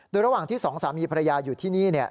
โดยระหว่างที่สองสามีภรรยาอยู่ที่นี่